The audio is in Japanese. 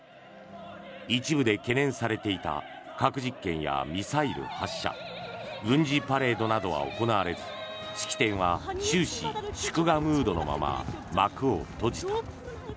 一部で懸念されていた核実験やミサイル発射軍事パレードなどは行われず式典は終始、祝賀ムードのまま幕を閉じた。